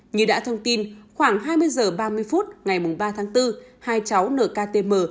như đã thông tin khoảng hai mươi h ba mươi phút ngày ba tháng bốn hai cháu nktm